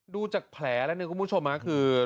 ดูจากแผลแล้วเนี่ยคุณผู้ชมคือ